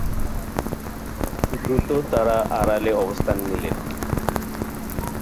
দ্রুত তারা আড়ালে অবস্থান নিলেন।